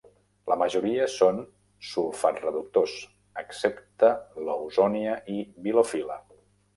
La majoria són sulfat-reductors, excepte "Lawsonia" i "Bilophila".